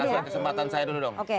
kasih kesempatan saya dulu dong